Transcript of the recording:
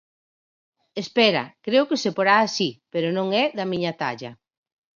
Espera, creo que se porá así pero non é da miña talla.